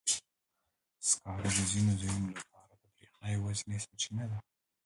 سکاره د ځینو ځایونو لپاره د برېښنا یوازینی سرچینه ده.